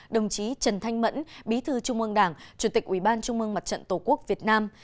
đồng chí trần thanh mẫn bí thư trung ương đảng chủ tịch ủy ban trung mương mặt trận tổ quốc việt nam